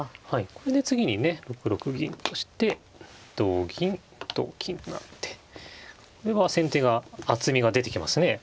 これで次にね６六銀として同銀同金となってこれは先手が厚みが出てきますね。